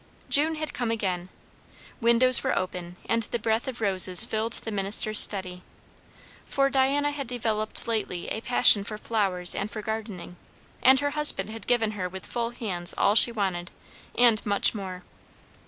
June had come again. Windows were open, and the breath of roses filled the minister's study; for Diana had developed lately a passion for flowers and for gardening, and her husband had given her with full hands all she wanted, and much more.